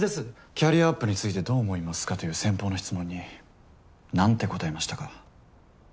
キャリアアップについてどう思いますかという先方の質問に何て答えましたか？